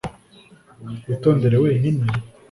witondere wenyine